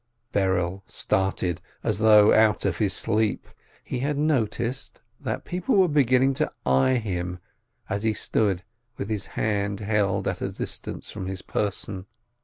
Berel started, as though out of his sleep. He had noticed that people were beginning to eye him as he stood with his hand held at a distance from his person.